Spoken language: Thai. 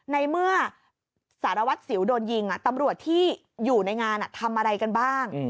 ในเมื่อสารวัตรสิวโดนยิงตำรวจที่อยู่ในงานทำอะไรกันบ้าง